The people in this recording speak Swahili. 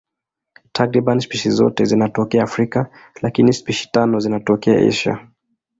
Takriban spishi zote zinatokea Afrika, lakini spishi tano zinatokea Asia.